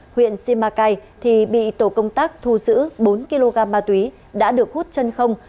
huyện simacai thì bị tổ công tác thu giữ bốn kg ma túy đã được hút chân không